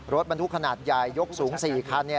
รถบรรทุกขนาดใหญ่ยกสูง๔คัน